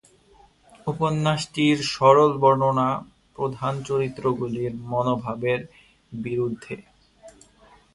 উপন্যাসটির সরল বর্ণনা প্রধান চরিত্রগুলির মনোভাবের বিরুদ্ধে।